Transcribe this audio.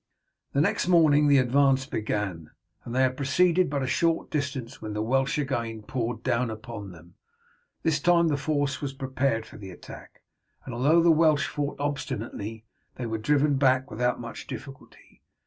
The next morning the advance began, and they had proceeded but a short distance when the Welsh again poured down upon them. This time the force was prepared for the attack, and although the Welsh fought obstinately, they were driven back without much difficulty.